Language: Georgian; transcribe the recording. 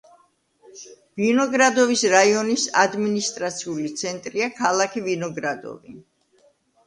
ვინოგრადოვის რაიონის ადმინისტრაციული ცენტრია ქალაქი ვინოგრადოვი.